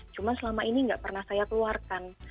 cuma selama ini nggak pernah saya keluarkan